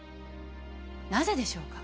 なぜでしょうか？